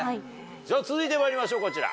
続いてまいりましょうこちら。